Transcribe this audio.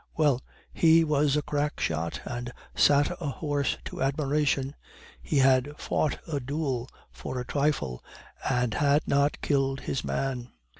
Well, he was a crack shot, and sat a horse to admiration; he had fought a duel for a trifle, and had not killed his man.